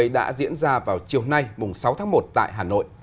đã diễn ra vào chiều nay sáu tháng một tại hà nội